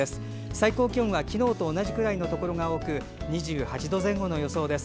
最高気温は昨日と同じくらいのところが多く２８度前後の予想です。